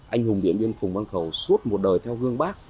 anh hùng điện biên phùng văn khẩu suốt một đời theo gương bác